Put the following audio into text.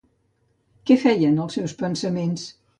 Què feien els seus pensaments?